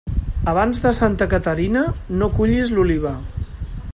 Abans de Santa Caterina, no cullis l'oliva.